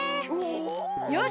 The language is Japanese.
よし！